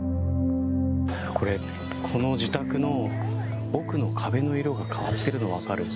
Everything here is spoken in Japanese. この自宅の奥の壁の色が変わっているのが分かる。